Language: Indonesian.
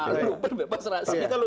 luber bebas rahasia